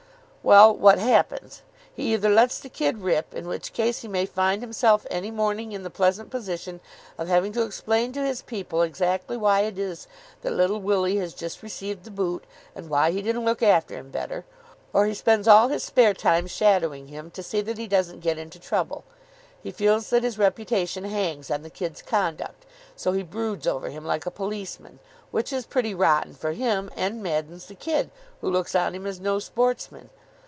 "Well, what happens? He either lets the kid rip, in which case he may find himself any morning in the pleasant position of having to explain to his people exactly why it is that little Willie has just received the boot, and why he didn't look after him better: or he spends all his spare time shadowing him to see that he doesn't get into trouble. He feels that his reputation hangs on the kid's conduct, so he broods over him like a policeman, which is pretty rotten for him and maddens the kid, who looks on him as no sportsman.